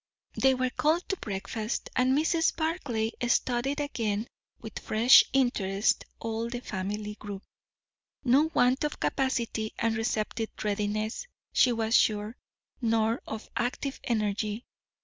They were called to breakfast; and Mrs. Barclay studied again with fresh interest all the family group. No want of capacity and receptive readiness, she was sure; nor of active energy.